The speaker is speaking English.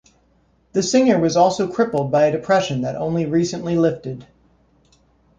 The singer was also crippled by a depression that only recently lifted.